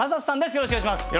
よろしくお願いします。